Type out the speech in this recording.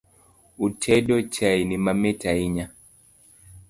Utedo chaini mamit ahinya